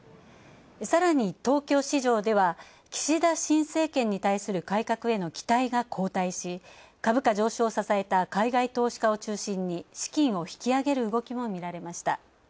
さらに東京市場では岸田新政権に対する改革への期待が後退し、株価上昇を支えた海外投資家を中心に資金を引き揚げる動きも見られました。